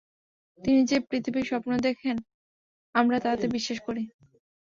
তিনি যে পৃথিবীর স্বপ্ন দেখেন আমরা তাতে বিশ্বাস করি।